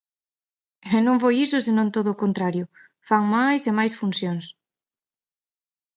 E non foi iso senón todo o contrario, fan máis e máis funcións.